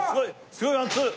すごいワンツー。